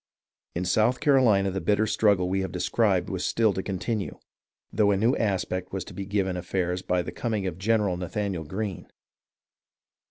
In South Carolina the bitter struggle we have described was still to continue, though a new aspect was to be given affairs by the coming of General Nathanael Greene.